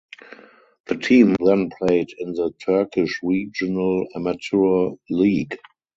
The team then played in the Turkish Regional Amateur League.